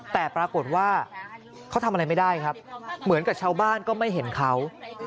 แต่ปรากฏว่าเขาทำอะไรไม่ได้ครับเหมือนกับชาวบ้านก็ไม่เห็นเขา